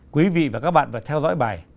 quý vị và các bạn phải theo dõi bài